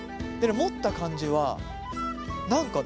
持った感じは何かね